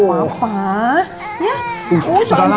papa mau kerja dulu